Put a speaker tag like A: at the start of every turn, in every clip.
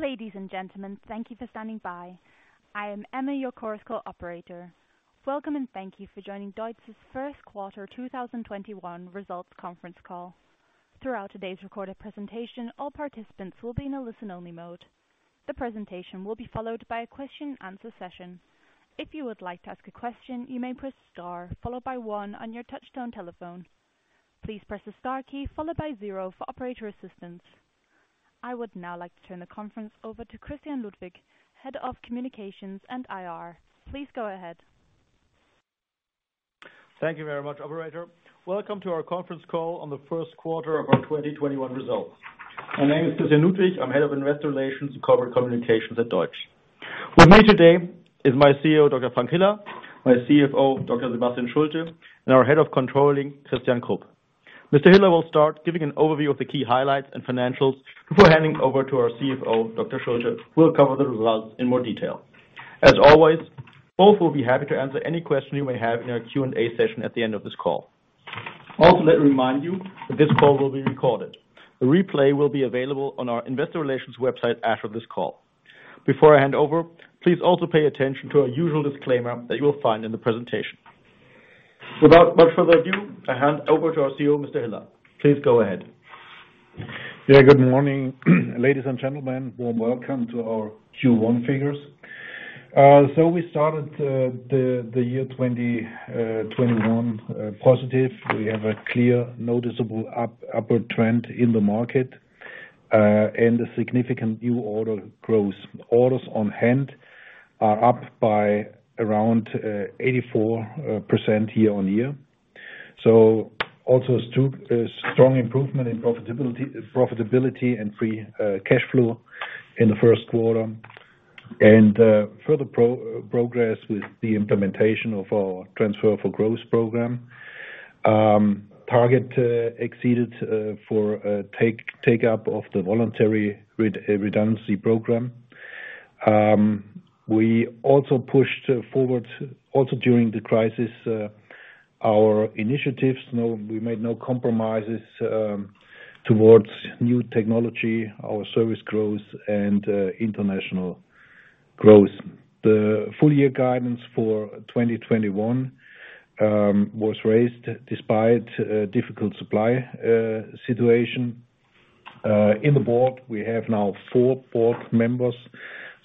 A: Ladies and gentlemen, thank you for standing by. I am Emma, your cores call operator. Welcome and thank you for joining DEUTZ's First Quarter 2021 Results Conference Call. Throughout today's recorded presentation, all participants will be in a listen-only mode. The presentation will be followed by a question-and-answer session. If you would like to ask a question, you may press star followed by one on your touchstone telephone. Please press the star key followed by zero for operator assistance. I would now like to turn the conference over to Christian Ludwig, Head of Communications and IR. Please go ahead.
B: Thank you very much, Operator. Welcome to our conference call on the first quarter of our 2021 results. My name is Christian Ludwig. I'm Head of Investor Relations and Corporate Communications at DEUTZ. With me today is my CEO, Dr. Frank Hiller, my CFO, Dr. Sebastian Schulte, and our Head of Controlling, Christian Krupp. Mr. Hiller will start giving an overview of the key highlights and financials before handing over to our CFO, Dr. Schulte, who will cover the results in more detail. As always, both will be happy to answer any questions you may have in our Q&A session at the end of this call. Also, let me remind you that this call will be recorded. A replay will be available on our Investor Relations website after this call. Before I hand over, please also pay attention to our usual disclaimer that you will find in the presentation. Without much further ado, I hand over to our CEO, Mr. Hiller. Please go ahead.
C: Yeah, good morning, ladies and gentlemen. Warm welcome to our Q1 figures. We started the year 2021 positive. We have a clear, noticeable upward trend in the market and a significant new order growth. Orders on hand are up by around 84% year on year. Also a strong improvement in profitability and free cash flow in the first quarter and further progress with the implementation of our Transform for Growth program. Target exceeded for take-up of the voluntary redundancy program. We also pushed forward, also during the crisis, our initiatives. We made no compromises towards new technology, our service growth, and international growth. The full-year guidance for 2021 was raised despite a difficult supply situation. In the board, we have now four board members.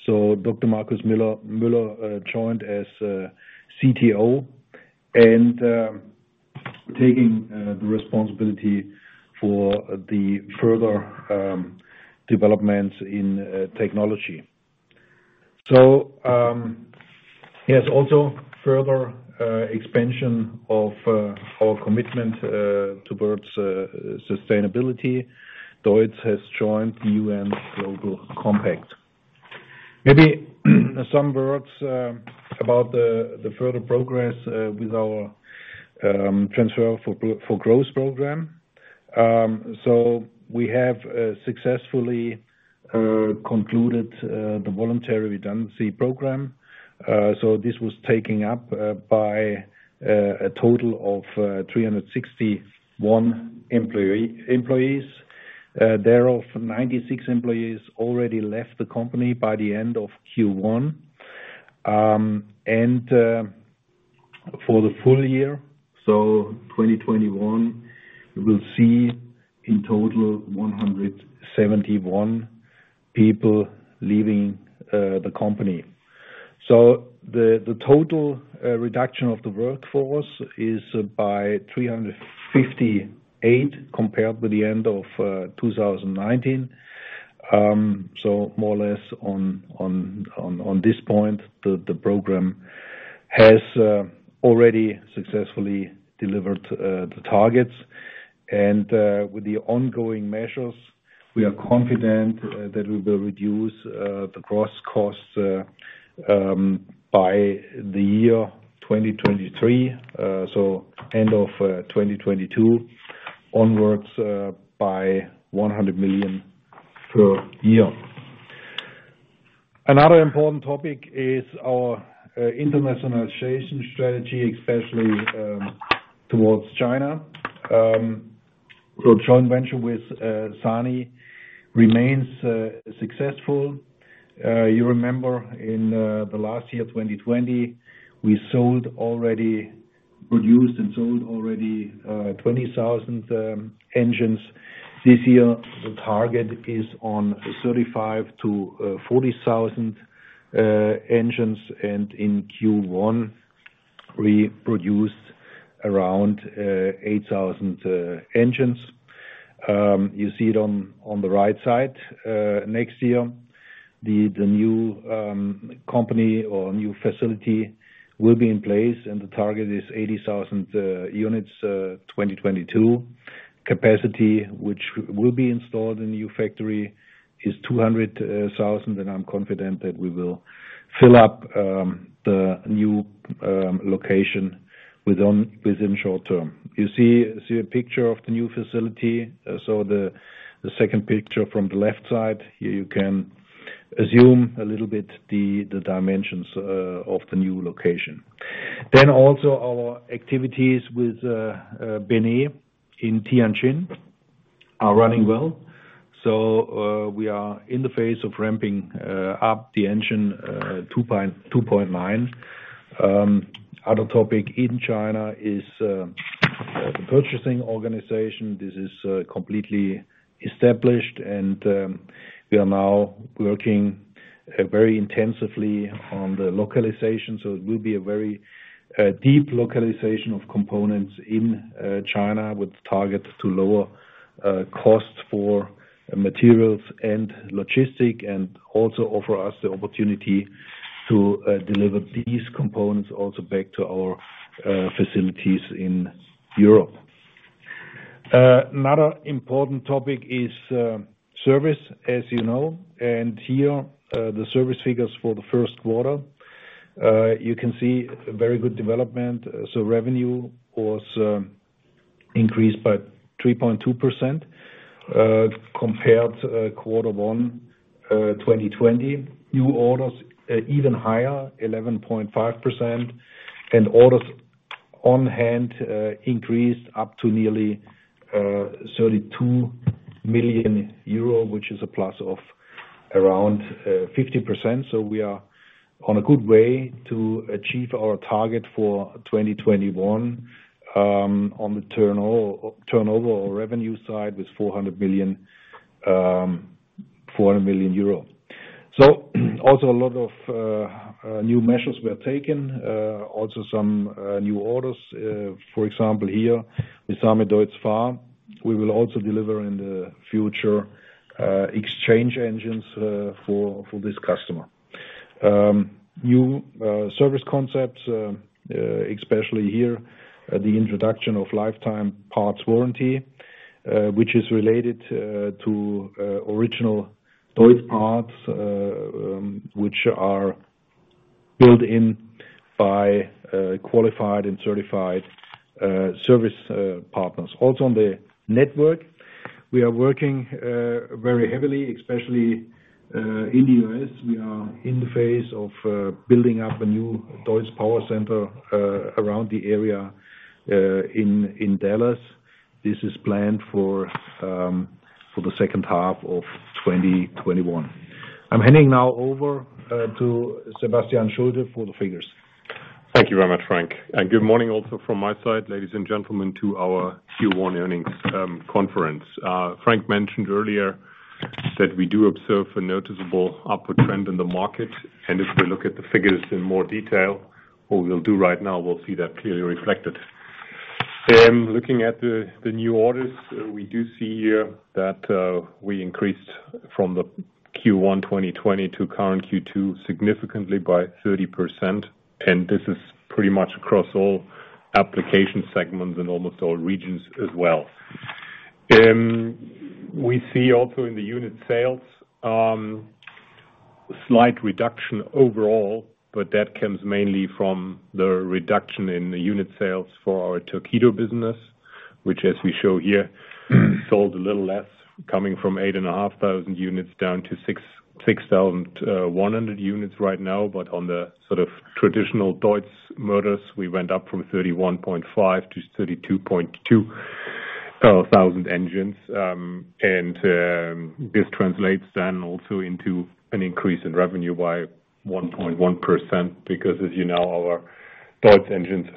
C: Dr. Markus Müller joined as CTO and is taking the responsibility for the further developments in technology. Yes, also further expansion of our commitment towards sustainability. DEUTZ has joined the UN Global Compact. Maybe some words about the further progress with our Transform for Growth program. We have successfully concluded the voluntary redundancy program. This was taken up by a total of 361 employees. Thereof, 96 employees already left the company by the end of Q1. For the full year, 2021, we will see in total 171 people leaving the company. The total reduction of the workforce is by 358 compared with the end of 2019. More or less on this point, the program has already successfully delivered the targets. With the ongoing measures, we are confident that we will reduce the gross costs by the year 2023, end of 2022 onwards, by 100 million per year. Another important topic is our internationalization strategy, especially towards China. The joint venture with SANY remains successful. You remember in the last year, 2020, we produced and sold already 20,000 engines. This year, the target is 35,000-40,000 engines. In Q1, we produced around 8,000 engines. You see it on the right side. Next year, the new company or new facility will be in place, and the target is 80,000 units in 2022. Capacity, which will be installed in the new factory, is 200,000, and I'm confident that we will fill up the new location within short term. You see a picture of the new facility. The second picture from the left side, here you can assume a little bit the dimensions of the new location. Also, our activities with BNE in Tianjin are running well. We are in the phase of ramping up the Engine 2.9. Other topic in China is the purchasing organization. This is completely established, and we are now working very intensively on the localization. It will be a very deep localization of components in China with target to lower cost for materials and logistic and also offer us the opportunity to deliver these components also back to our facilities in Europe. Another important topic is service, as you know. Here the service figures for the first quarter, you can see very good development. Revenue was increased by 3.2% compared to quarter one 2020. New orders even higher, 11.5%, and orders on hand increased up to nearly 32 million euro, which is a plus of around 50%. We are on a good way to achieve our target for 2021 on the turnover or revenue side with 400 million. Also, a lot of new measures were taken, also some new orders. For example, here with SAME, DEUTZ-FAHR, we will also deliver in the future exchange engines for this customer. New service concepts, especially here, the introduction of lifetime parts warranty, which is related to original DEUTZ parts, which are built in by qualified and certified service partners. Also on the network, we are working very heavily, especially in the U.S.. We are in the phase of building up a new DEUTZ Power Center around the area in Dallas. This is planned for the second half of 2021. I'm handing now over to Sebastian Schulte for the figures.
D: Thank you very much, Frank. Good morning also from my side, ladies and gentlemen, to our Q1 Earnings Conference. Frank mentioned earlier that we do observe a noticeable upward trend in the market. If we look at the figures in more detail, what we'll do right now, we'll see that clearly reflected. Looking at the new orders, we do see here that we increased from Q1 2020 to current Q2 significantly by 30%. This is pretty much across all application segments and almost all regions as well. We see also in the unit sales a slight reduction overall, but that comes mainly from the reduction in the unit sales for our Torqeedo business, which, as we show here, sold a little less, coming from 8,500 units down to 6,100 units right now. On the sort of traditional DEUTZ motors, we went up from 31,500 to 32,200 engines. This translates then also into an increase in revenue by 1.1% because, as you know, our DEUTZ engines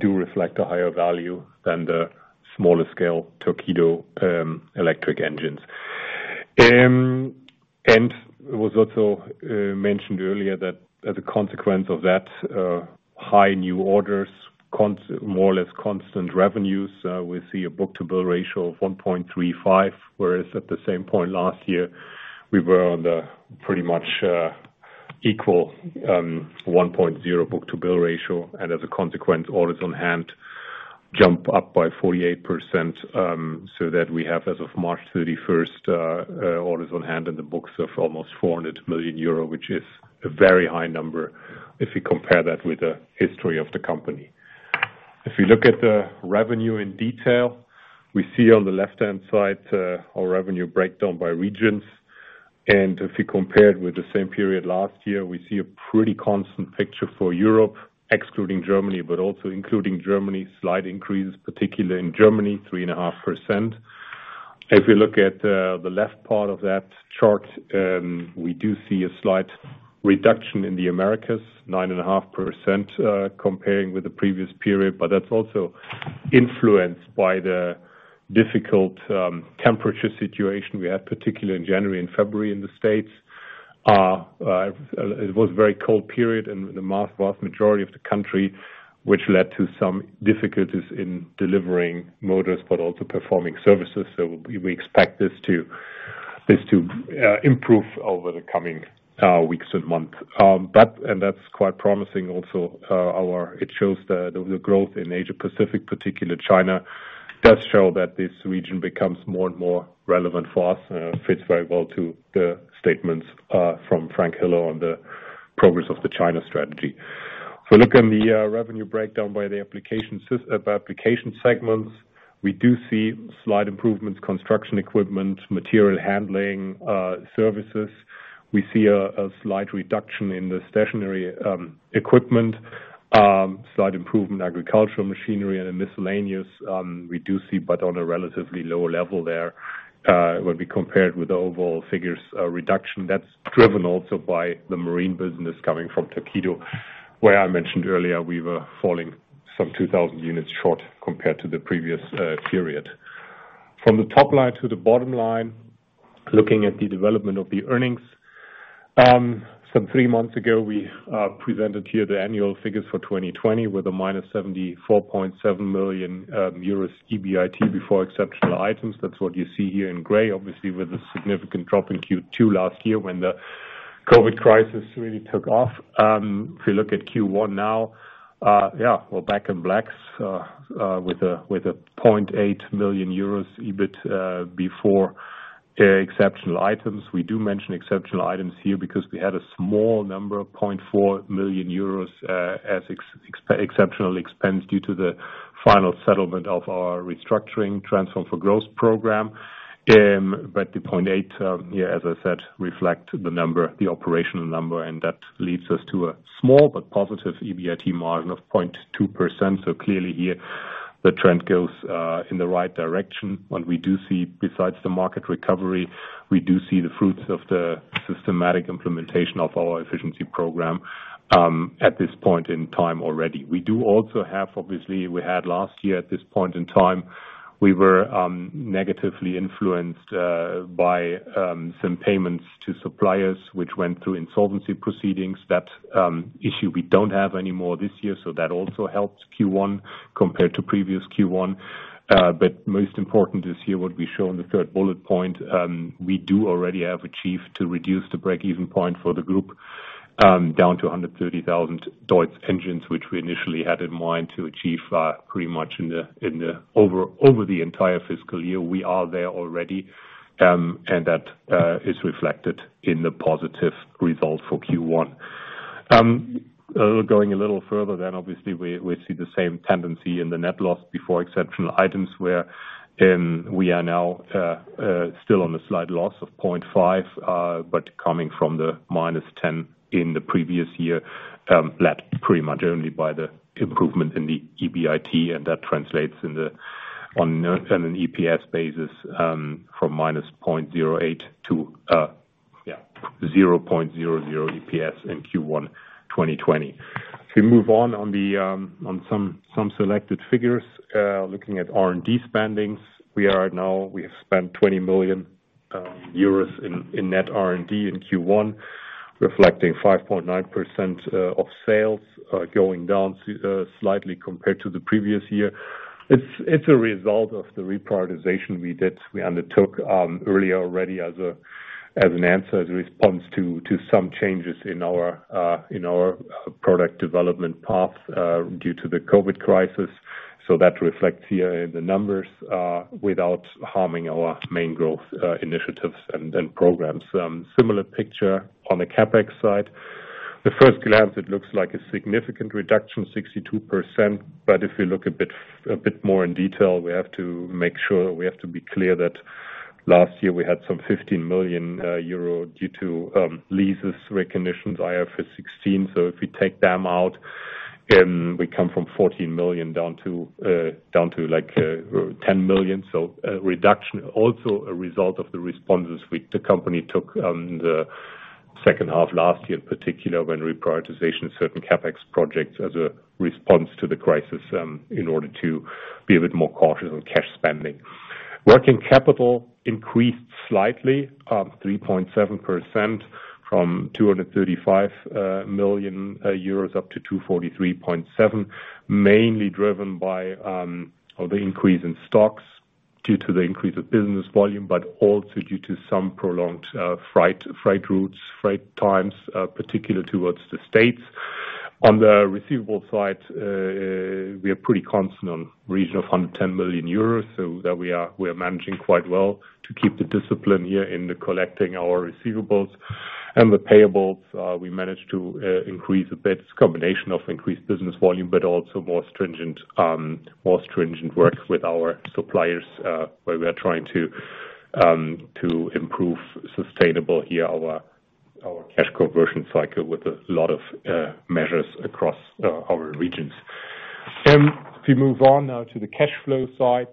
D: do reflect a higher value than the smaller scale Torqeedo electric engines. It was also mentioned earlier that as a consequence of that high new orders, more or less constant revenues, we see a book-to-bill ratio of 1.35, whereas at the same point last year, we were on the pretty much equal 1.0 book-to-bill ratio. As a consequence, orders on hand jump up by 48% so that we have, as of March 31, orders on hand in the books of almost 400 million euro, which is a very high number if you compare that with the history of the company. If you look at the revenue in detail, we see on the left-hand side our revenue breakdown by regions. If you compare it with the same period last year, we see a pretty constant picture for Europe, excluding Germany, but also including Germany, slight increases, particularly in Germany, 3.5%. If you look at the left part of that chart, we do see a slight reduction in the Americas, 9.5% comparing with the previous period. That is also influenced by the difficult temperature situation we had, particularly in January and February in the United States. It was a very cold period in the vast majority of the country, which led to some difficulties in delivering motors, but also performing services. We expect this to improve over the coming weeks and months. That is quite promising also. It shows the growth in Asia-Pacific, particularly China, does show that this region becomes more and more relevant for us and fits very well to the statements from Frank Hiller on the progress of the China strategy. If we look at the revenue breakdown by the application segments, we do see slight improvements: construction equipment, material handling, services. We see a slight reduction in the stationary equipment, slight improvement in agricultural machinery and in miscellaneous. We do see, but on a relatively low level there when we compare it with the overall figures, reduction. That is driven also by the marine business coming from Torqeedo, where I mentioned earlier we were falling some 2,000 units short compared to the previous period. From the top line to the bottom line, looking at the development of the earnings, some three months ago, we presented here the annual figures for 2020 with a minus 74.7 million euros EBIT before exceptional items. That's what you see here in gray, obviously with a significant drop in Q2 last year when the COVID crisis really took off. If you look at Q1 now, yeah, we're back in black with a 0.8 million euros EBIT before exceptional items. We do mention exceptional items here because we had a small number of 0.4 million euros as exceptional expense due to the final settlement of our restructuring Transform for Growth program. The 0.8 here, as I said, reflects the operational number, and that leads us to a small but positive EBIT margin of 0.2%. Clearly here, the trend goes in the right direction. What we do see, besides the market recovery, we do see the fruits of the systematic implementation of our efficiency program at this point in time already. We do also have, obviously, we had last year at this point in time, we were negatively influenced by some payments to suppliers which went through insolvency proceedings. That issue we do not have anymore this year, so that also helped Q1 compared to previous Q1. Most important is here what we show in the third bullet point. We do already have achieved to reduce the break-even point for the group down to 130,000 DEUTZ engines, which we initially had in mind to achieve pretty much over the entire fiscal year. We are there already, and that is reflected in the positive result for Q1. Going a little further then, obviously, we see the same tendency in the net loss before exceptional items where we are now still on a slight loss of 0.5 million, but coming from the minus 10 million in the previous year, led pretty much only by the improvement in the EBIT. That translates on an EPS basis from minus 0.08 to 0.00 EPS in Q1 2020. If we move on on some selected figures, looking at R&D spendings, we have spent 20 million euros in net R&D in Q1, reflecting 5.9% of sales, going down slightly compared to the previous year. It is a result of the reprioritization we undertook earlier already as an answer, as a response to some changes in our product development path due to the COVID crisis. That reflects here in the numbers without harming our main growth initiatives and programs. Similar picture on the CapEx side. At first glance, it looks like a significant reduction, 62%. If we look a bit more in detail, we have to make sure we have to be clear that last year we had some 15 million euro due to leases, reconditions, IFRS 16. If we take them out, we come from 14 million down to like 10 million. Reduction also a result of the responses the company took in the second half last year, particularly when reprioritization of certain CapEx projects as a response to the crisis in order to be a bit more cautious on cash spending. Working capital increased slightly, 3.7% from 235 million euros up to 243.7 million, mainly driven by the increase in stocks due to the increase of business volume, but also due to some prolonged freight routes, freight times, particularly towards the States. On the receivable side, we are pretty constant on a region of 110 million euros. We are managing quite well to keep the discipline here in collecting our receivables. The payables, we managed to increase a bit. It's a combination of increased business volume, but also more stringent work with our suppliers where we are trying to improve sustainably here our cash conversion cycle with a lot of measures across our regions. If we move on now to the cash flow side,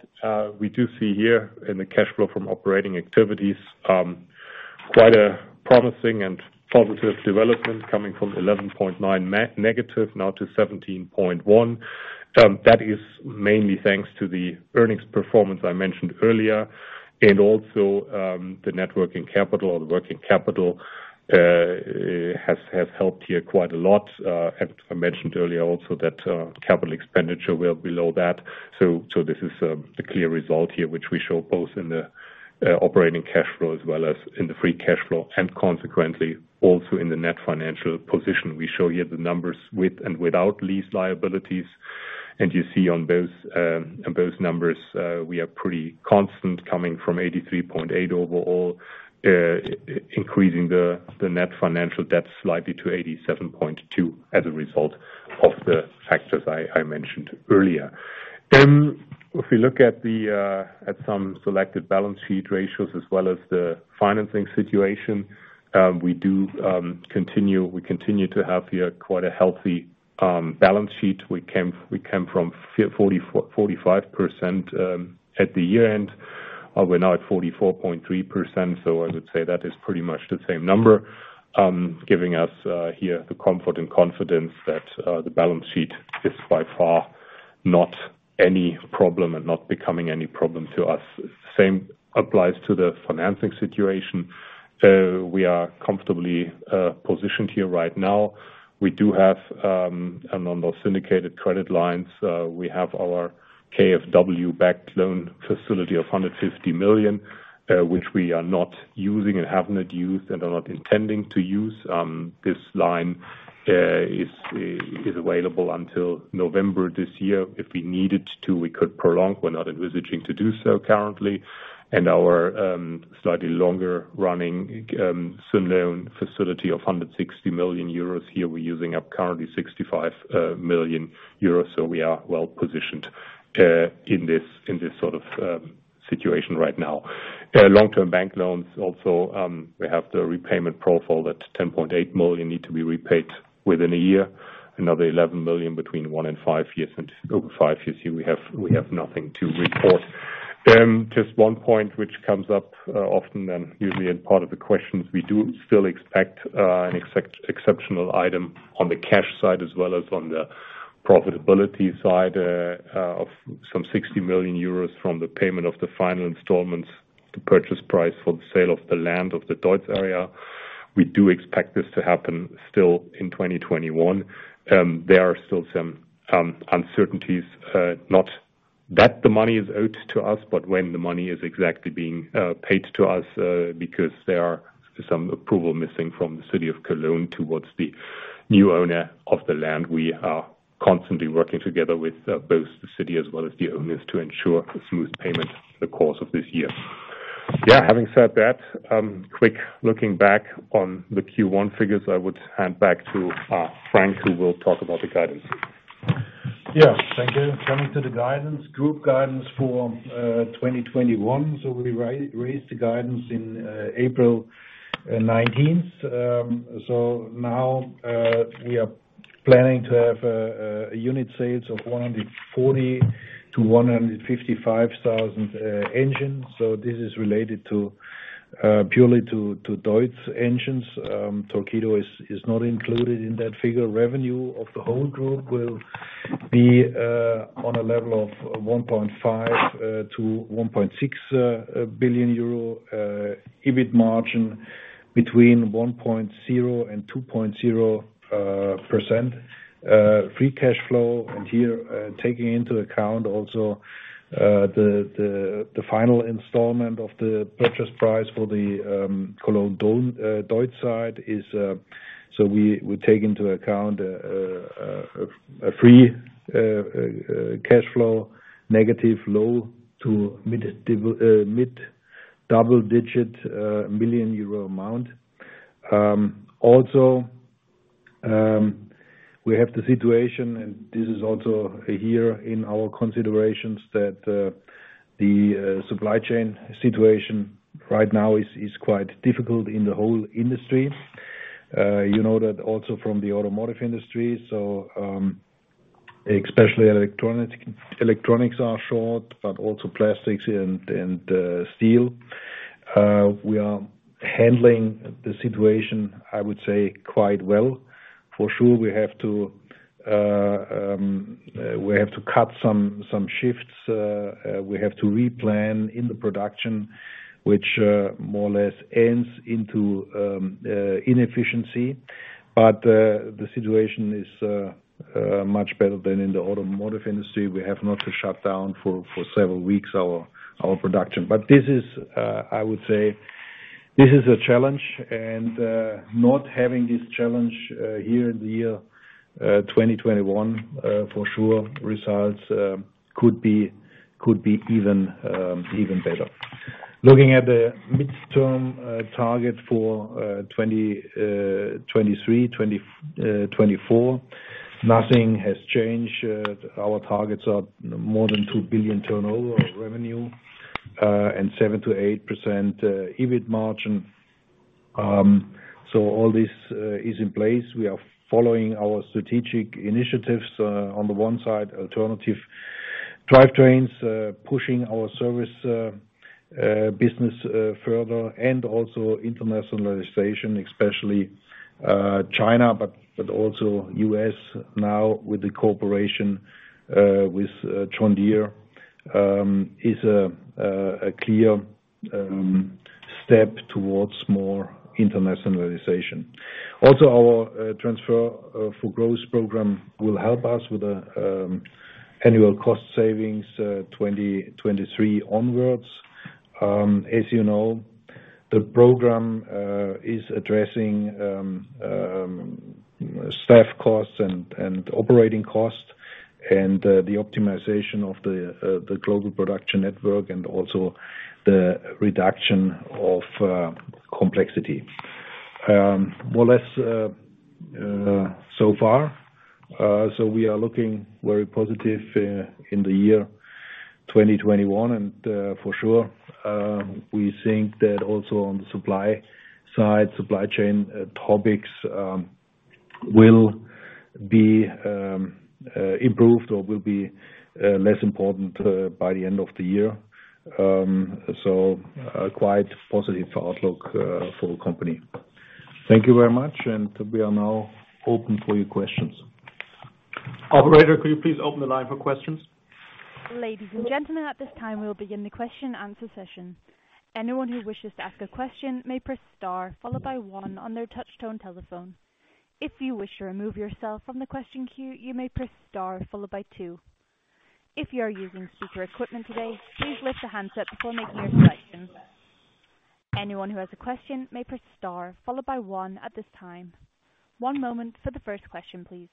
D: we do see here in the cash flow from operating activities, quite a promising and positive development coming from 11.9 million negative now to 17.1 million. That is mainly thanks to the earnings performance I mentioned earlier. Also, the net working capital or the working capital has helped here quite a lot. I mentioned earlier also that capital expenditure will be low that. This is a clear result here, which we show both in the operating cash flow as well as in the free cash flow. Consequently, also in the net financial position, we show here the numbers with and without lease liabilities. You see on those numbers, we are pretty constant coming from 83.8 million overall, increasing the net financial debt slightly to 87.2 million as a result of the factors I mentioned earlier. If we look at some selected balance sheet ratios as well as the financing situation, we continue to have here quite a healthy balance sheet. We came from 45% at the year-end. We are now at 44.3%. I would say that is pretty much the same number, giving us here the comfort and confidence that the balance sheet is by far not any problem and not becoming any problem to us. Same applies to the financing situation. We are comfortably positioned here right now. We do have on those syndicated credit lines, we have our KfW-backed loan facility of 150 million, which we are not using and have not used and are not intending to use. This line is available until November this year. If we needed to, we could prolong. We are not envisaging to do so currently. Our slightly longer running SIM loan facility of 160 million euros here, we are using up currently 65 million euros. We are well positioned in this sort of situation right now. Long-term bank loans also, we have the repayment profile that 10.8 million need to be repaid within a year, another 11 million between one and five years. Over five years here, we have nothing to report. Just one point which comes up often and usually in part of the questions, we do still expect an exceptional item on the cash side as well as on the profitability side of some 60 million euros from the payment of the final installments to purchase price for the sale of the land of the DEUTZ area. We do expect this to happen still in 2021. There are still some uncertainties, not that the money is owed to us, but when the money is exactly being paid to us because there are some approval missing from the city of Cologne towards the new owner of the land. We are constantly working together with both the city as well as the owners to ensure a smooth payment the course of this year. Yeah, having said that, quick looking back on the Q1 figures, I would hand back to Frank, who will talk about the guidance.
C: Yeah, thank you. Coming to the guidance, group guidance for 2021. We raised the guidance in April 19th. Now we are planning to have a unit sales of 140,000-155,000 engines. This is related purely to DEUTZ engines. Torqeedo is not included in that figure. Revenue of the whole group will be on a level of 1.5 billion-1.6 billion euro. EBIT margin between 1.0%-2.0%. Free cash flow, and here taking into account also the final installment of the purchase price for the Cologne-DEUTZ site, we take into account a free cash flow negative low to mid double-digit million euro amount. Also, we have the situation, and this is also here in our considerations that the supply chain situation right now is quite difficult in the whole industry. You know that also from the automotive industry, so especially electronics are short, but also plastics and steel. We are handling the situation, I would say, quite well. For sure, we have to cut some shifts. We have to replan in the production, which more or less ends into inefficiency. The situation is much better than in the automotive industry. We have not to shut down for several weeks our production. This is, I would say, this is a challenge. Not having this challenge here in the year 2021, for sure, results could be even better. Looking at the midterm target for 2023, 2024, nothing has changed. Our targets are more than 2 billion turnover revenue and 7%-8% EBIT margin. All this is in place. We are following our strategic initiatives on the one side, alternative drivetrains, pushing our service business further, and also internationalization, especially China, but also U.S. now with the cooperation with John Deere is a clear step towards more internationalization. Also, our Transform for Growth program will help us with annual cost savings 2023 onwards. As you know, the program is addressing staff costs and operating costs and the optimization of the global production network and also the reduction of complexity. More or less so far. We are looking very positive in the year 2021. For sure, we think that also on the supply side, supply chain topics will be improved or will be less important by the end of the year. Quite positive outlook for the company. Thank you very much. We are now open for your questions. Operator, could you please open the line for questions?
A: Ladies and gentlemen, at this time, we'll begin the question-and-answer session. Anyone who wishes to ask a question may press star followed by one on their touch-tone telephone. If you wish to remove yourself from the question queue, you may press star followed by two. If you are using speaker equipment today, please lift the handset before making your selection. Anyone who has a question may press star followed by one at this time. One moment for the first question, please.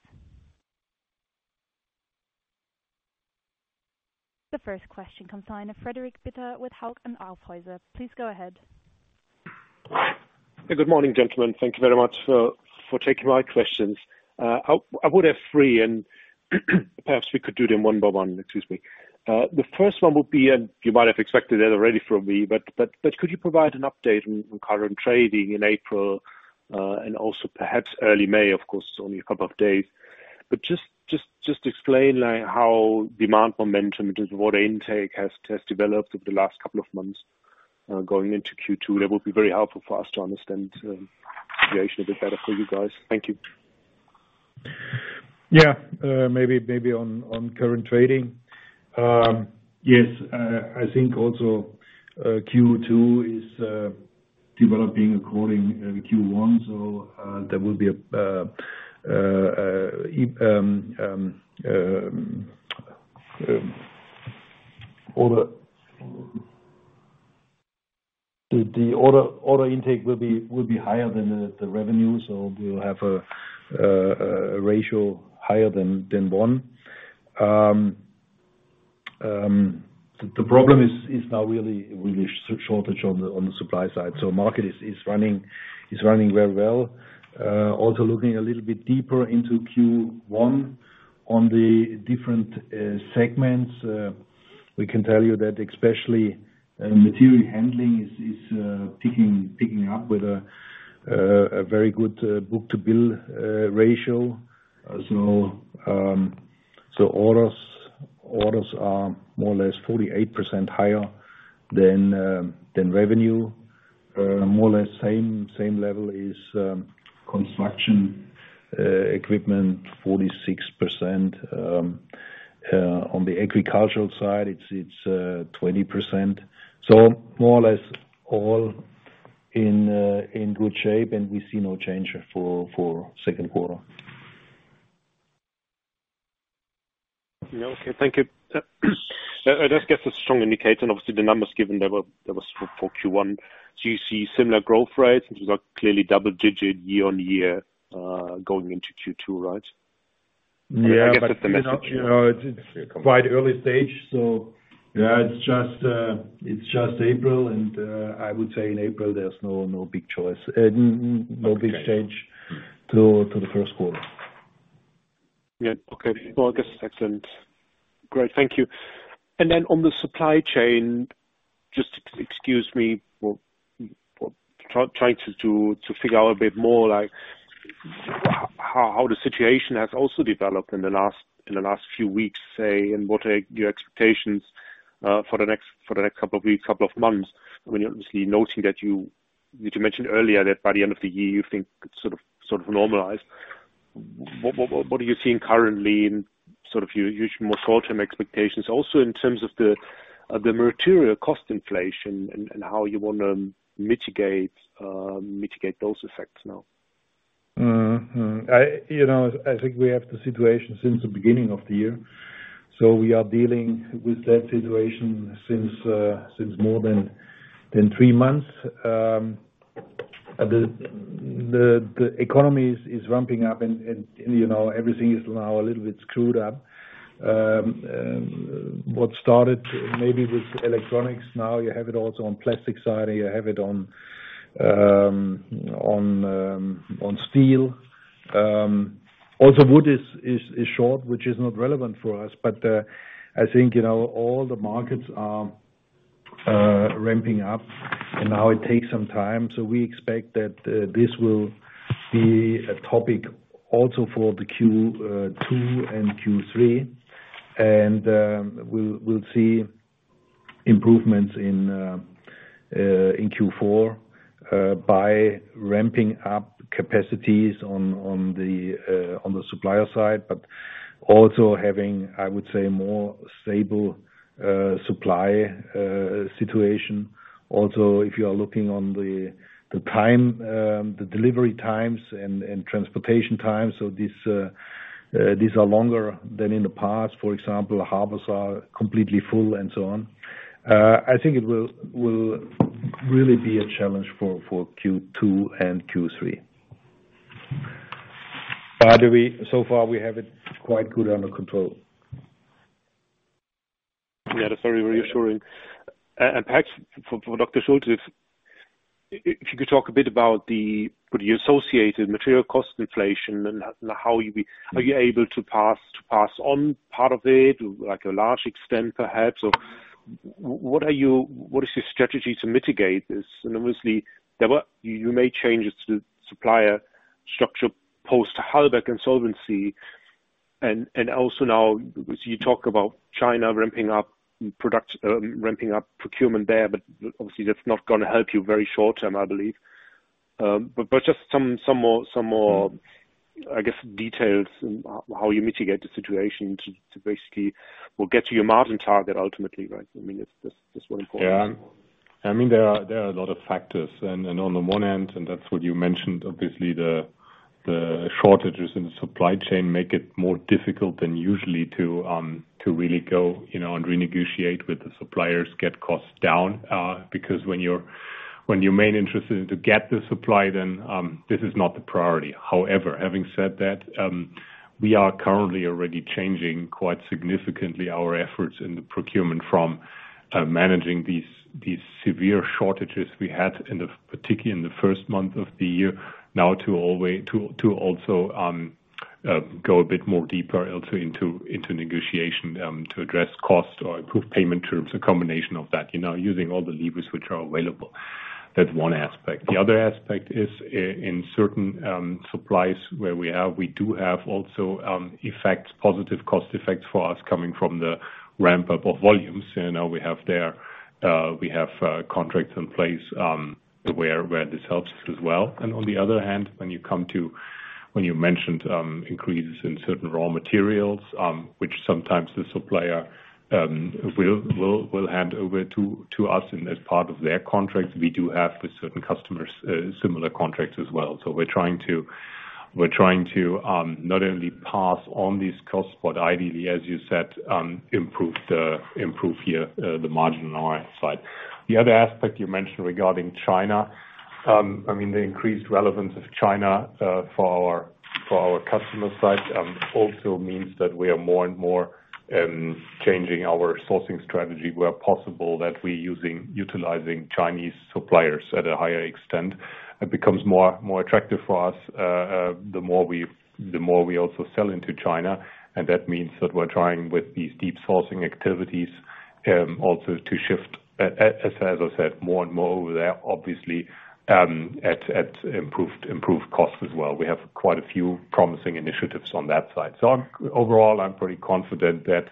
A: The first question comes from Frederik Bitter with Hauck Aufhäuser. Please go ahead.
E: Good morning, gentlemen. Thank you very much for taking my questions. I would have three, and perhaps we could do them one by one. Excuse me. The first one would be, and you might have expected it already from me, but could you provide an update on current trading in April and also perhaps early May? Of course, it's only a couple of days. Just explain how demand momentum and what intake has developed over the last couple of months going into Q2. That would be very helpful for us to understand the situation a bit better for you guys. Thank you.
C: Yeah, maybe on current trading. Yes, I think also Q2 is developing according to Q1. There will be the order intake will be higher than the revenue. We will have a ratio higher than one. The problem is now really shortage on the supply side. The market is running very well. Also looking a little bit deeper into Q1 on the different segments, we can tell you that especially material handling is picking up with a very good book-to-bill ratio. Orders are more or less 48% higher than revenue. More or less same level is construction equipment, 46%. On the agricultural side, it is 20%. More or less all in good shape, and we see no change for second quarter.
E: Okay, thank you. I just get a strong indicator. Obviously, the numbers given there were for Q1. Do you see similar growth rates? It was a clearly double-digit year-on-year going into Q2, right?
C: I guess it is the message. Quite early stage. Yeah, it is just April. I would say in April, there is no big change.
E: Okay.
C: To the first quarter.
E: Yeah, okay. August, excellent. Great. Thank you. On the supply chain, just excuse me, trying to figure out a bit more how the situation has also developed in the last few weeks, say, and what are your expectations for the next couple of months? I mean, obviously noting that you mentioned earlier that by the end of the year, you think it's sort of normalized. What are you seeing currently in sort of your more short-term expectations, also in terms of the material cost inflation and how you want to mitigate those effects now?
C: I think we have the situation since the beginning of the year. We are dealing with that situation since more than three months. The economy is ramping up, and everything is now a little bit screwed up. What started maybe with electronics, now you have it also on plastic side, and you have it on steel. Also, wood is short, which is not relevant for us. I think all the markets are ramping up, and now it takes some time. We expect that this will be a topic also for Q2 and Q3. We will see improvements in Q4 by ramping up capacities on the supplier side, but also having, I would say, a more stable supply situation. Also, if you are looking at the delivery times and transportation times, these are longer than in the past. For example, harbors are completely full and so on. I think it will really be a challenge for Q2 and Q3. So far, we have it quite good under control.
E: Yeah, that's very reassuring. Perhaps for Dr. Schulte, if you could talk a bit about the associated material cost inflation and how you are able to pass on part of it, like a large extent perhaps, or what is your strategy to mitigate this? Obviously, you made changes to the supplier structure post-Halberg consultancy. Also, now, you talk about China ramping up procurement there, but obviously, that's not going to help you very short term, I believe. Just some more, I guess, details on how you mitigate the situation to basically get to your margin target ultimately, right? I mean, that's what I'm calling.
D: Yeah. I mean, there are a lot of factors. On the one end, and that's what you mentioned, obviously, the shortages in the supply chain make it more difficult than usually to really go and renegotiate with the suppliers, get costs down, because when your main interest is to get the supply, then this is not the priority. However, having said that, we are currently already changing quite significantly our efforts in the procurement from managing these severe shortages we had particularly in the first month of the year now to also go a bit more deeper into negotiation to address cost or improve payment terms, a combination of that, using all the levers which are available. That's one aspect. The other aspect is in certain supplies where we do have also positive cost effects for us coming from the ramp-up of volumes. We have contracts in place where this helps as well. On the other hand, when you mentioned increases in certain raw materials, which sometimes the supplier will hand over to us as part of their contracts, we do have with certain customers similar contracts as well. We are trying to not only pass on these costs, but ideally, as you said, improve here the margin on our side. The other aspect you mentioned regarding China, I mean, the increased relevance of China for our customer side also means that we are more and more changing our sourcing strategy where possible that we are utilizing Chinese suppliers at a higher extent. It becomes more attractive for us the more we also sell into China. That means that we are trying with these deep sourcing activities also to shift, as I said, more and more over there, obviously, at improved costs as well. We have quite a few promising initiatives on that side. Overall, I'm pretty confident that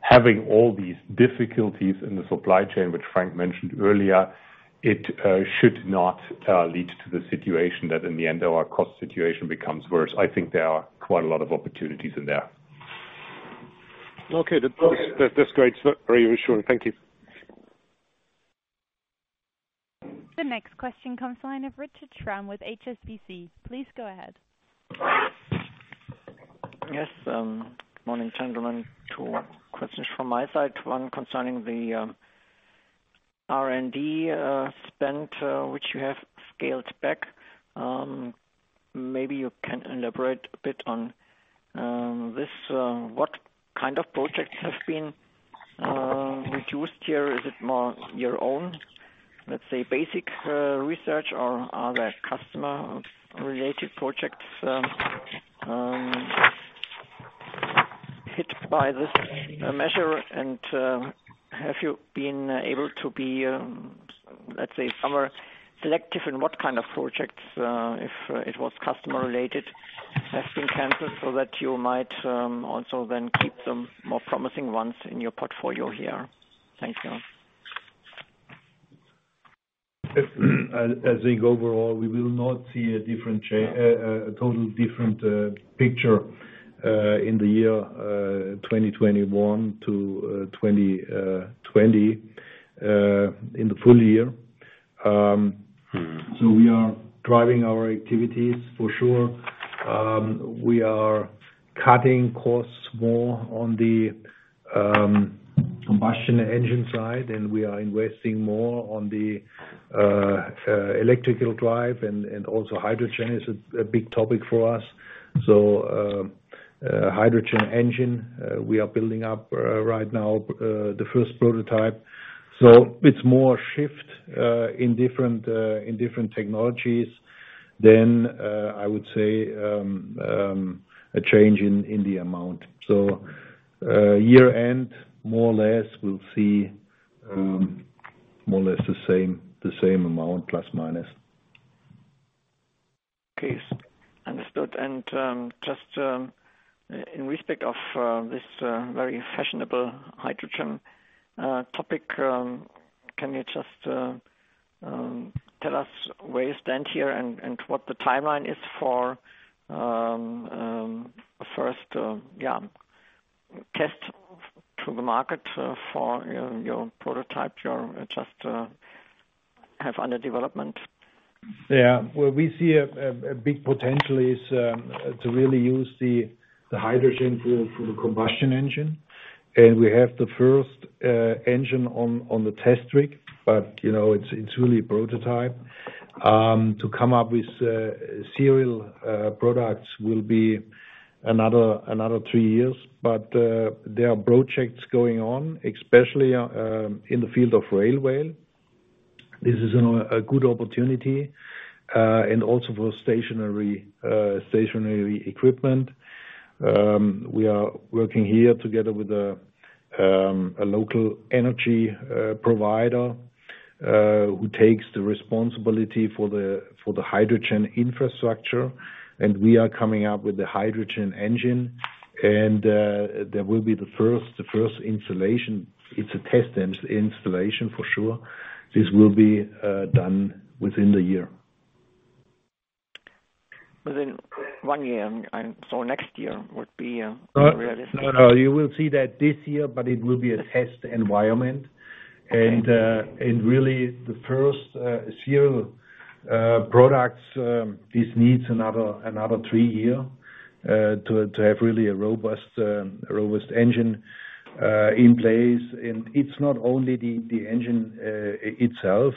D: having all these difficulties in the supply chain, which Frank mentioned earlier, it should not lead to the situation that in the end, our cost situation becomes worse. I think there are quite a lot of opportunities in there.
E: Okay. That's great. Very reassuring. Thank you.
A: The next question comes on Richard Schramm with HSBC. Please go ahead.
F: Yes. Good morning, gentlemen. Two questions from my side. One concerning the R&D spend, which you have scaled back. Maybe you can elaborate a bit on this. What kind of projects have been reduced here? Is it more your own, let's say, basic research, or are there customer-related projects hit by this measure? Have you been able to be, let's say, somewhere selective in what kind of projects, if it was customer-related, have been canceled so that you might also then keep some more promising ones in your portfolio here? Thank you.
C: I think overall, we will not see a totally different picture in the year 2021 compared to 2020 in the full year. We are driving our activities for sure. We are cutting costs more on the combustion engine side, and we are investing more on the electrical drive. Hydrogen is also a big topic for us. Hydrogen engine, we are building up right now the first prototype. It is more a shift in different technologies than I would say a change in the amount. Year-end, more or less, we will see more or less the same amount, plus or minus.
F: Okay. Understood. Just in respect of this very fashionable hydrogen topic, can you just tell us where you stand here and what the timeline is for a first test to the market for your prototype you just have under development?
C: Yeah. What we see a big potential is to really use the hydrogen for the combustion engine. We have the first engine on the test rig, but it is really prototype. To come up with serial products will be another three years. There are projects going on, especially in the field of railway. This is a good opportunity and also for stationary equipment. We are working here together with a local energy provider who takes the responsibility for the hydrogen infrastructure. We are coming up with the hydrogen engine. There will be the first installation. It is a test installation for sure. This will be done within the year.
F: Within one year. Next year would be realistic.
C: No, no. You will see that this year, but it will be a test environment. Really, the first serial products, this needs another three years to have really a robust engine in place. It is not only the engine itself.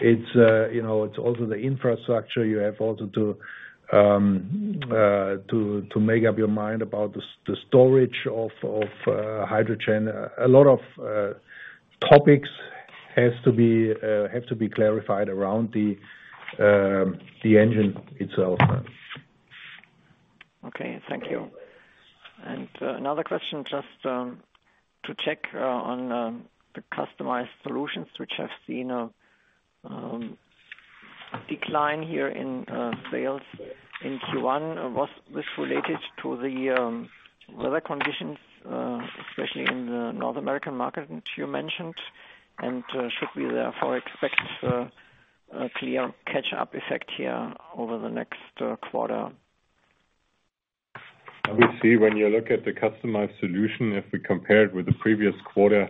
C: It is also the infrastructure. You have also to make up your mind about the storage of hydrogen. A lot of topics have to be clarified around the engine itself.
F: Okay. Thank you. Another question just to check on the customized solutions, which have seen a decline here in sales in Q1. Was this related to the weather conditions, especially in the North American market you mentioned? Should we therefore expect a clear catch-up effect here over the next quarter?
D: We see when you look at the customized solution, if we compare it with the previous quarter,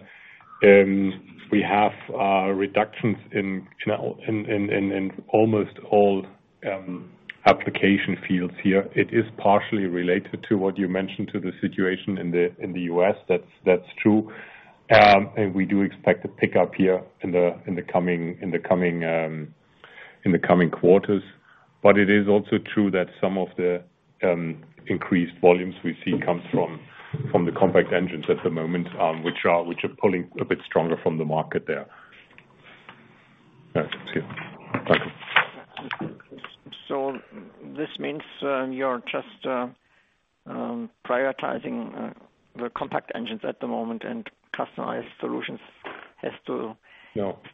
D: we have reductions in almost all application fields here. It is partially related to what you mentioned to the situation in the U.S.. That is true. We do expect a pickup here in the coming quarters. It is also true that some of the increased volumes we see come from the compact engines at the moment, which are pulling a bit stronger from the market there.
F: Thank you. This means you are just prioritizing the compact engines at the moment, and customized solutions have to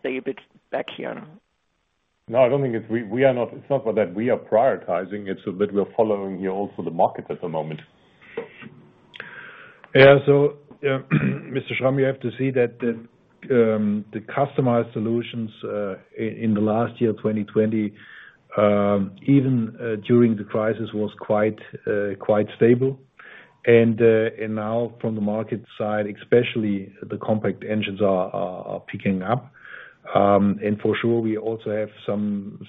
F: stay a bit back here?
D: No, I do not think it is we are not. It is not that we are prioritizing. It is that we are following here also the market at the moment.
C: Yeah. So Mr. Schramm, you have to see that the customized solutions in the last year, 2020, even during the crisis, was quite stable. Now from the market side, especially the compact engines are picking up. For sure, we also have some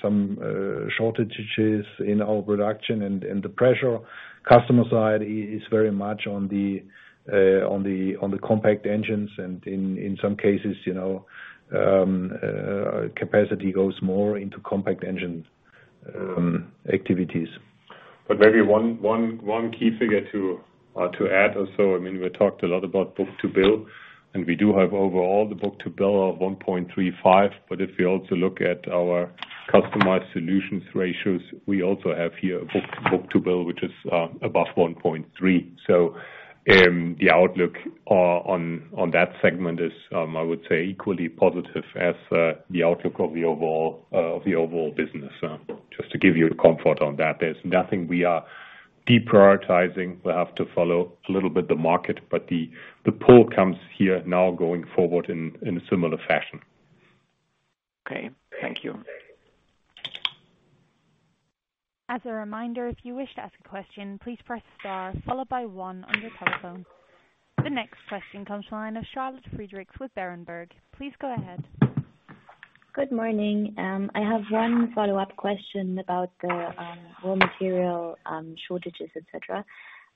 C: shortages in our production. The pressure on the customer side is very much on the compact engines. In some cases, capacity goes more into compact engine activities.
D: Maybe one key figure to add or so. I mean, we talked a lot about book-to-bill. We do have overall the book-to-bill of 1.35. If we also look at our customized solutions ratios, we also have here a book-to-bill, which is above 1.3. The outlook on that segment is, I would say, equally positive as the outlook of the overall business. Just to give you comfort on that, there's nothing we are deprioritizing. We have to follow a little bit the market. The pull comes here now going forward in a similar fashion.
F: Okay. Thank you.
A: As a reminder, if you wish to ask a question, please press star followed by one on your telephone. The next question comes from the line of Charlotte Friedrichs with Berenberg. Please go ahead.
G: Good morning. I have one follow-up question about the raw material shortages, etc.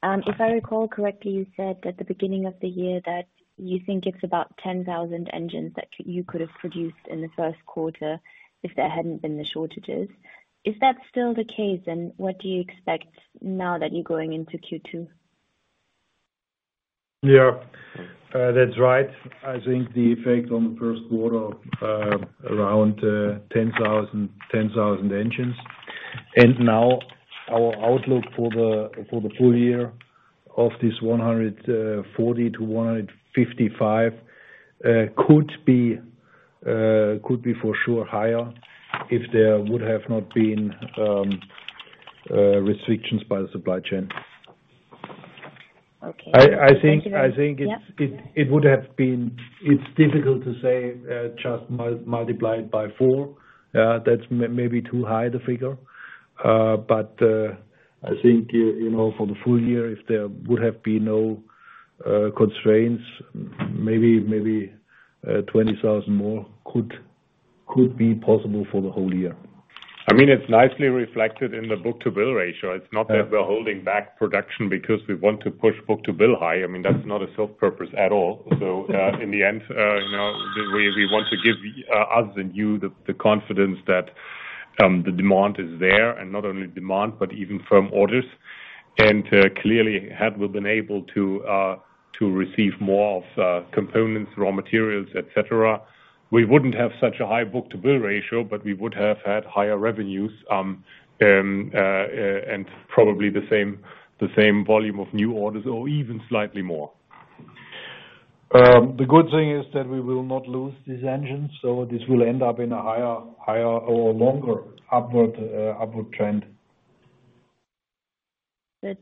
G: If I recall correctly, you said at the beginning of the year that you think it's about 10,000 engines that you could have produced in the first quarter if there hadn't been the shortages. Is that still the case? What do you expect now that you're going into Q2?
C: Yeah. That's right. I think the effect on the first quarter around 10,000 engines. Our outlook for the full year of this 140-155 could be for sure higher if there would have not been restrictions by the supply chain. I think it would have been, it's difficult to say, just multiply it by four. That's maybe too high, the figure. I think for the full year, if there would have been no constraints, maybe 20,000 more could be possible for the whole year.
D: I mean, it's nicely reflected in the book-to-bill ratio. It's not that we're holding back production because we want to push book-to-bill high. That's not a self-purpose at all. In the end, we want to give us and you the confidence that the demand is there. And not only demand, but even firm orders. Clearly, had we been able to receive more components, raw materials, etc., we would not have such a high book-to-bill ratio, but we would have had higher revenues and probably the same volume of new orders or even slightly more.
C: The good thing is that we will not lose these engines. This will end up in a higher or longer upward trend.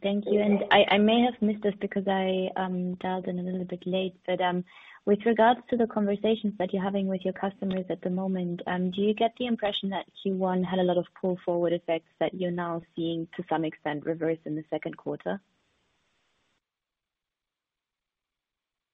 G: Thank you. I may have missed this because I dialed in a little bit late. With regards to the conversations that you are having with your customers at the moment, do you get the impression that Q1 had a lot of pull-forward effects that you are now seeing to some extent reverse in the second quarter?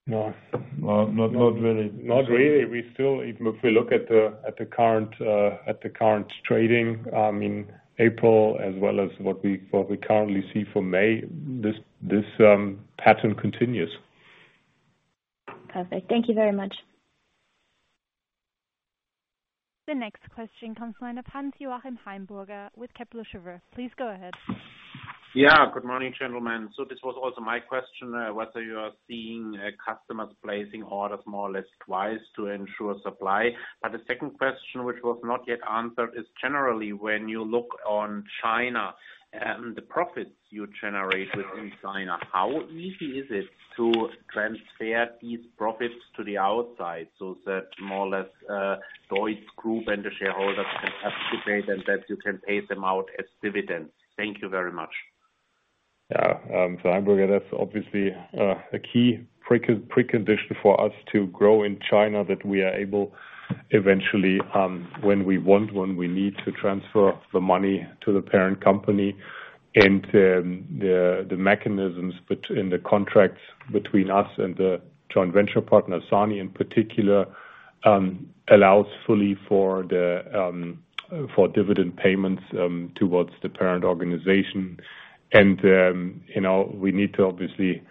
D: No. Not really. Not really. If we look at the current trading in April as well as what we currently see for May, this pattern continues.
G: Perfect. Thank you very much.
A: The next question comes on a pan to Joachim Heimburger with Kepler Cheuvreux. Please go ahead.
H: Yeah. Good morning, gentlemen. This was also my question, whether you are seeing customers placing orders more or less twice to ensure supply. The second question, which was not yet answered, is generally when you look on China and the profits you generate within China, how easy is it to transfer these profits to the outside so that more or less DEUTZ Group and the shareholders can participate and that you can pay them out as dividends? Thank you very much.
D: Yeah. For Heimburger, that's obviously a key precondition for us to grow in China, that we are able eventually, when we want, when we need to transfer the money to the parent company. The mechanisms in the contracts between us and the joint venture partner, SANY in particular, allow fully for dividend payments towards the parent organization. We need to obviously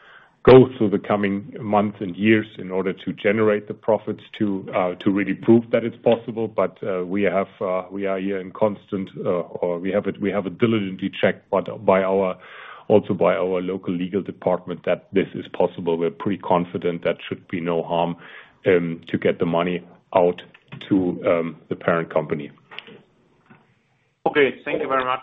D: go through the coming months and years in order to generate the profits to really prove that it is possible. We are here in constant or we have it diligently checked also by our local legal department that this is possible. We are pretty confident there should be no harm to get the money out to the parent company.
H: Thank you very much.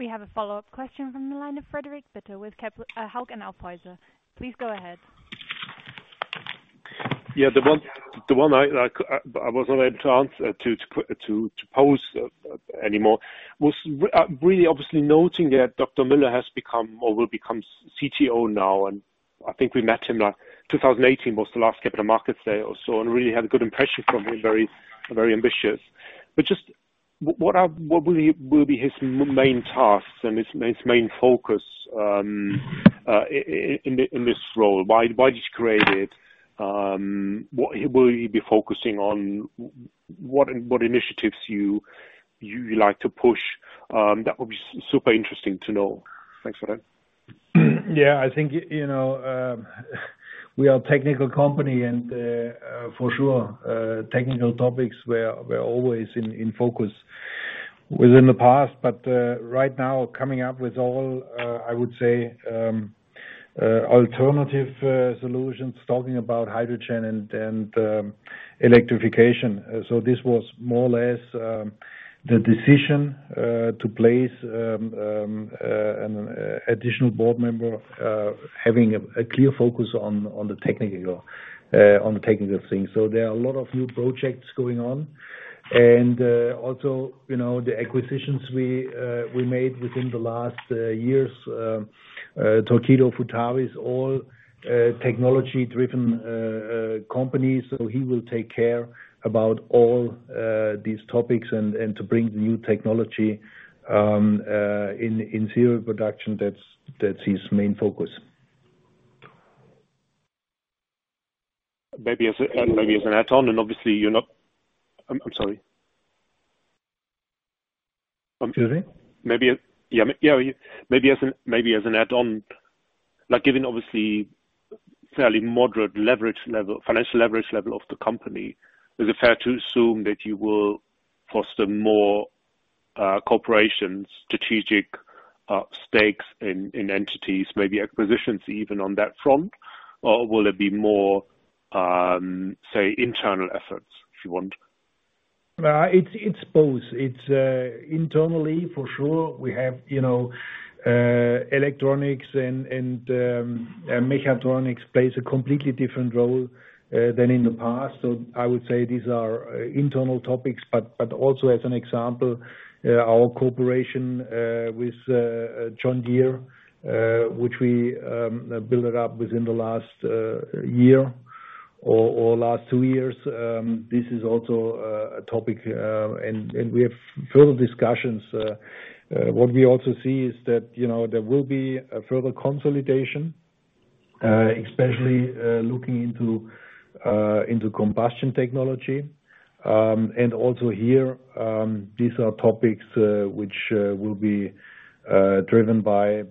A: We have a follow-up question from the line of Frederik Bitter with Hauck Aufhäuser. Please go ahead.
E: The one I was not able to answer to pose anymore was really obviously noting that Dr. Müller has become or will become CTO now. I think we met him like 2018 was the last Capital Markets Day or so and really had a good impression from him, very ambitious. Just what will be his main tasks and his main focus in this role? Why did you create it? What will he be focusing on? What initiatives you like to push? That would be super interesting to know. Thanks for that.
C: Yeah. I think we are a technical company. For sure, technical topics were always in focus within the past. Right now, coming up with all, I would say, alternative solutions, talking about hydrogen and electrification. This was more or less the decision to place an additional board member having a clear focus on the technical things. There are a lot of new projects going on. Also, the acquisitions we made within the last years, Torqeedo, Futaba, are all technology-driven companies. He will take care about all these topics and to bring the new technology in serial production, that's his main focus.
E: Maybe as an add-on. Obviously, you're not—I'm sorry.
C: Excuse me?
E: Maybe as an add-on, given obviously fairly moderate financial leverage level of the company, is it fair to assume that you will foster more corporations, strategic stakes in entities, maybe acquisitions even on that front? Or will there be more, say, internal efforts, if you want?
C: It's both. Internally, for sure, we have electronics and mechatronics plays a completely different role than in the past. I would say these are internal topics. But also as an example, our cooperation with John Deere, which we built up within the last year or last two years, this is also a topic. We have further discussions. What we also see is that there will be further consolidation, especially looking into combustion technology. Also here, these are topics which will be driven by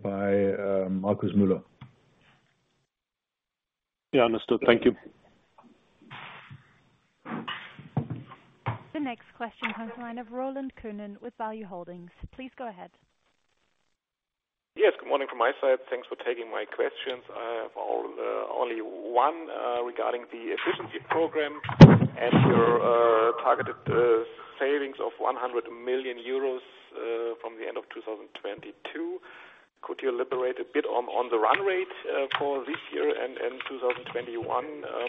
C: Markus Müller.
E: Yeah. Understood. Thank you.
A: The next question comes from the line of Roland Könen with Value-Holdings. Please go ahead.
I: Yes. Good morning from my side. Thanks for taking my questions. I have only one regarding the efficiency program and your targeted savings of 100 million euros from the end of 2022. Could you elaborate a bit on the run rate for this year and 2021?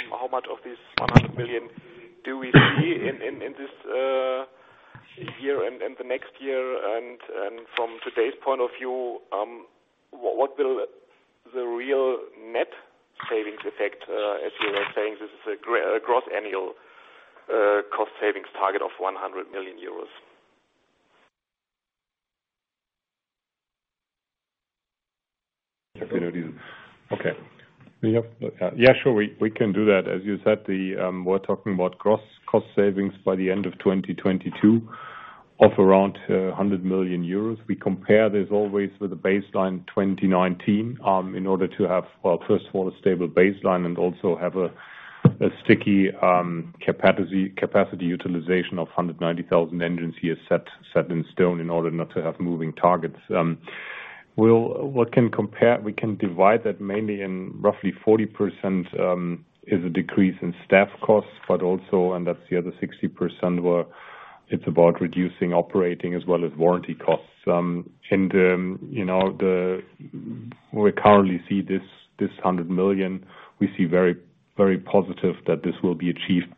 I: How much of this 100 million do we see in this year and the next year? From today's point of view, what will the real net savings affect as you were saying? This is a gross annual cost savings target of 100 million euros.
D: Okay. Yeah. Sure. We can do that. As you said, we're talking about gross cost savings by the end of 2022 of around 100 million euros. We compare this always with the baseline 2019 in order to have, first of all, a stable baseline and also have a sticky capacity utilization of 190,000 engines here set in stone in order not to have moving targets. What can compare? We can divide that mainly in roughly 40% is a decrease in staff costs, but also, and that's the other 60%, where it's about reducing operating as well as warranty costs. We currently see this 100 million. We see very positive that this will be achieved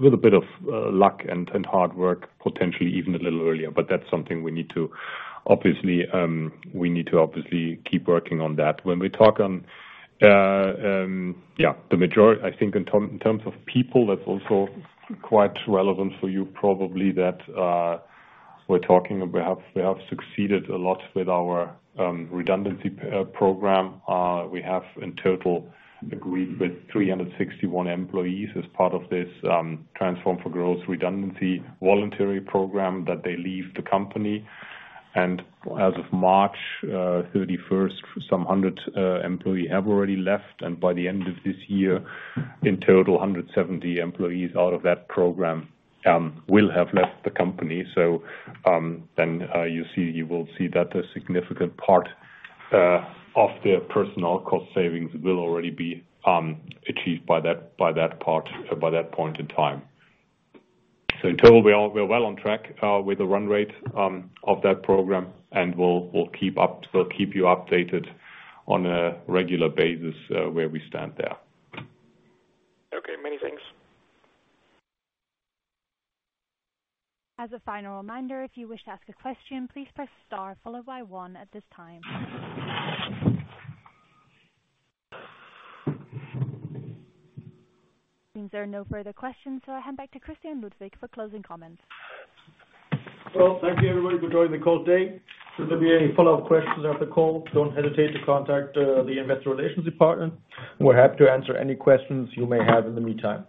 D: with a bit of luck and hard work, potentially even a little earlier. That is something we need to obviously keep working on. When we talk on, yeah, the majority, I think in terms of people, that is also quite relevant for you probably that we are talking we have succeeded a lot with our redundancy program. We have in total agreed with 361 employees as part of this Transform for Growth redundancy voluntary program that they leave the company. As of March 31, some 100 employees have already left. By the end of this year, in total, 170 employees out of that program will have left the company. You will see that a significant part of their personal cost savings will already be achieved by that point in time. In total, we are well on track with the run rate of that program. We will keep you updated on a regular basis where we stand there.
I: Okay. Many thanks.
A: As a final reminder, if you wish to ask a question, please press star followed by one at this time. Since there are no further questions, I will hand back to Christian Ludwig for closing comments.
B: Thank you, everybody, for joining the call today. Should there be any follow-up questions after the call, do not hesitate to contact the investor relations department. We are happy to answer any questions you may have in the meantime.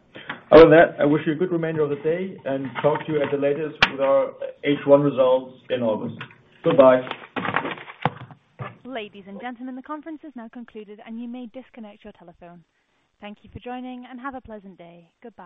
B: Other than that, I wish you a good remainder of the day and talk to you at the latest with our H1 results in August. Goodbye.
A: Ladies and gentlemen, the conference is now concluded, and you may disconnect your telephone. Thank you for joining, and have a pleasant day. Goodbye.